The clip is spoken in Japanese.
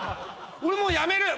俺もうやめる！